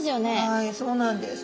はいそうなんです。